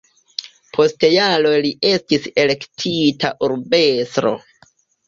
Post jaroj li estis elektita urbestro.